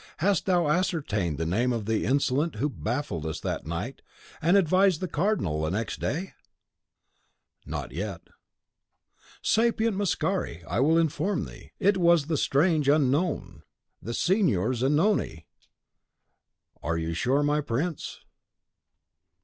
Hast thou ascertained the name of the insolent who baffled us that night, and advised the Cardinal the next day?" "Not yet." "Sapient Mascari! I will inform thee. It was the strange Unknown." "The Signor Zanoni! Are you sure, my prince?"